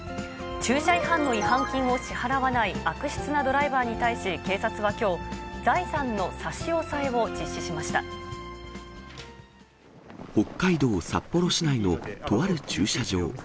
駐車違反の違反金を支払わない悪質なドライバーに対し、警察はきょう、財産の差し押さえ北海道札幌市内のとある駐車場。